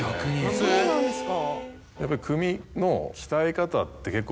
そうなんですか？